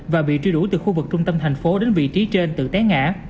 và bị truy đuổi từ khu vực trung tâm thành phố đến vị trí trên tự té ngã